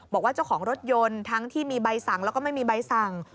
บอกว่าเจ้าของรถยนต์ทั้งที่มีใบสั่งแล้วก็ไม่มีใบสั่ง